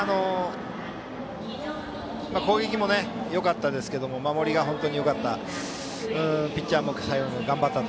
攻撃もよかったですけど守りが本当によかった。